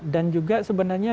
dan juga sebenarnya